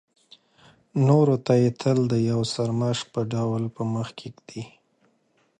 نورو ته یې تل د یو سرمشق په ډول په مخکې ږدي.